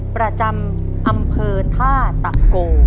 ประจำอำเภอท่าตะโก